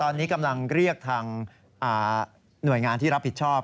ตอนนี้กำลังเรียกทางหน่วยงานที่รับผิดชอบ